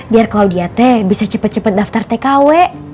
biar kalau diate bisa cepet cepet daftar tkw